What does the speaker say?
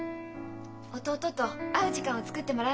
弟と会う時間を作ってもらえませんか？